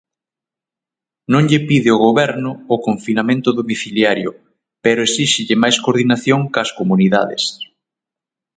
Non lle pide ao Goberno o confinamento domiciliario, pero esíxelle máis coordinación coas comunidades.